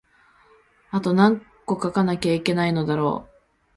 あとなんこ書かなきゃいけないのだろう